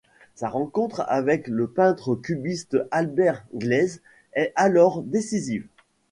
Sa rencontre avec le peintre cubiste Albert Gleizes est alors décisive.